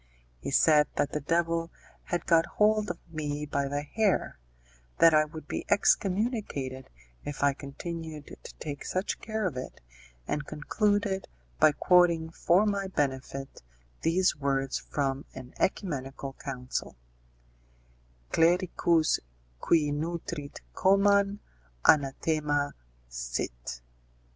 He said that the devil had got hold of me by the hair, that I would be excommunicated if I continued to take such care of it, and concluded by quoting for my benefit these words from an œcumenical council: clericus qui nutrit coman, anathema sit.